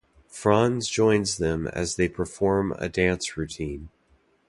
Franz joins them as they perform a dance routine.